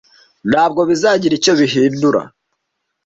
Ntabwo bizagira icyo bihindura.